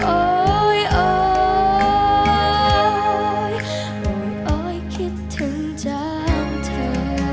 โอ๊ยโอหนุ่มโอ๊ยคิดถึงเจ้าเธอ